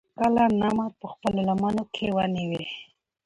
کله نمر پۀ خپلو لمنو کښې ونيوي